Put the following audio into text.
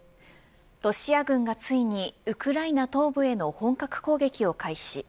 ロシア軍がついにウクライナ東部への本格攻撃を開始。